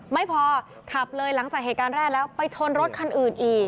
ไม่พอขับเลยหลังจากเหตุการณ์แรกแล้วไปชนรถคันอื่นอีก